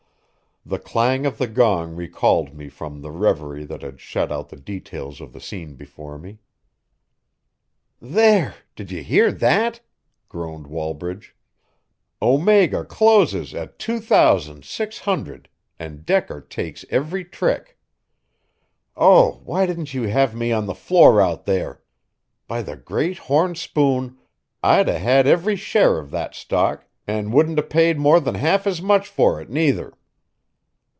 The clang of the gong recalled me from the reverie that had shut out the details of the scene before me. "There! Did you hear that?" groaned Wall bridge. "Omega closes at two thousand six hundred and Decker takes every trick. Oh, why didn't you have me on the floor out there? By the great horn spoon, I'd 'a' had every share of that stock, and wouldn't 'a' paid more than half as much for it, neither."